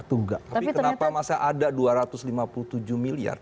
tapi kenapa masih ada dua ratus lima puluh tujuh miliar